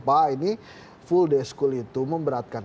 pak ini full deskul itu memberatkan